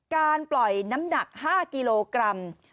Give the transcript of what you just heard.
การปล่อยน้ำหนัก๕กิโลกรัม